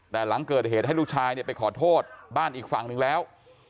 แต่หลังเกิดเหตุให้ลูกชายไปขอโทษบ้านอีกฝั่งหนึ่งแล้ว